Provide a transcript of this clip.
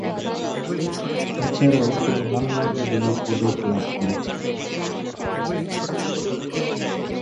এছাড়াও তিনি বাংলা একাডেমি পদক লাভ করেছেন।